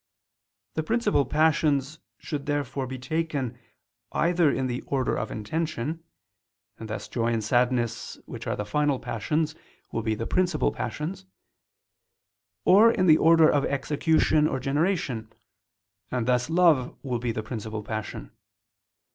The principal passions should therefore be taken, either in the order of intention; and thus joy and sadness, which are the final passions, will be the principal passions; or in the order of execution or generation, and thus love will be the principal passion.